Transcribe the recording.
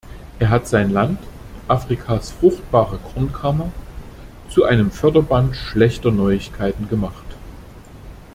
Er hat sein Land, Afrikas fruchtbare Kornkammer, zu einem Förderband schlechter Neuigkeiten gemacht.